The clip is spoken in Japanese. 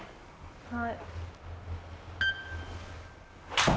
はい。